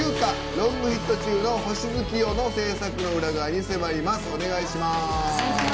ロングヒット中の「星月夜」の制作の裏側に迫ります。